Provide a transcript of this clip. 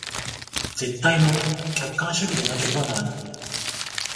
絶対の客観主義でなければならない。